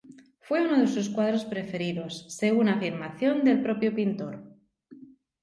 Fue uno de sus cuadros preferidos, según afirmación del propio pintor.